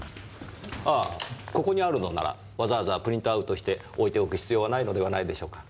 ああここにあるのならわざわざプリントアウトして置いておく必要はないのではないでしょうか。